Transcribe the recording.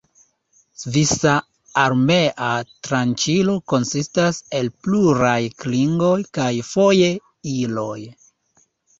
Svisa Armea Tranĉilo konsistas el pluraj klingoj kaj foje iloj.